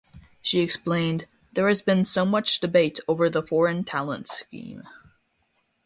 She explained: There has been so much debate over the foreign talent scheme.